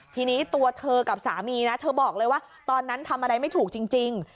ทีนี้ตัวเธอกับสามีนะเธอบอกเลยว่าตอนนั้นทำอะไรไม่ถูกจริง